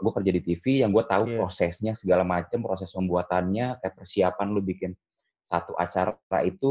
gue kerja di tv yang gue tahu prosesnya segala macem proses pembuatannya kayak persiapan lu bikin satu acara itu